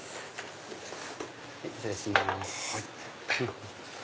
失礼します。